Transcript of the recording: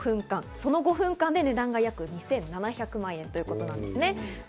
その５分間で値段が２７００万円ということです。